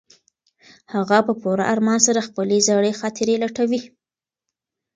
هغه په پوره ارمان سره خپلې زړې خاطرې لټوي.